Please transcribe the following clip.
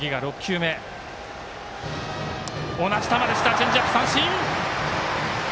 チェンジアップ、三振！